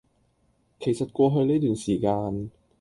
其實過去呢段時間